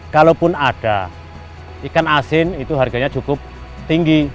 kalaupun ada ikan asin itu harganya cukup tinggi